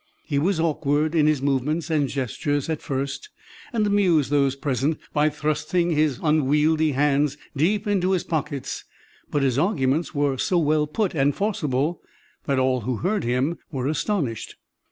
He was awkward in his movements and gestures at first, and amused those present by thrusting his unwieldy hands deep into his pockets, but his arguments were so well put and forcible that all who heard him were astonished.